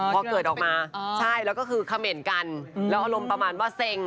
พอเกิดออกมาใช่แล้วก็คือเขม่นกันแล้วอารมณ์ประมาณว่าเซ็ง